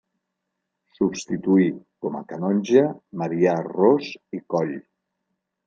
Substituí, com a canonge, Marià Ros i Coll.